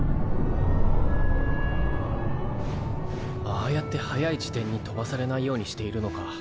ああやって速い自転に飛ばされないようにしているのか。